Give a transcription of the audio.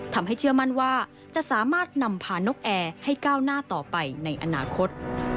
เชื่อมั่นว่าจะสามารถนำพานกแอร์ให้ก้าวหน้าต่อไปในอนาคต